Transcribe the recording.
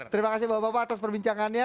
terima kasih bapak bapak atas perbincangannya